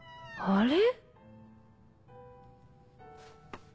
あれ？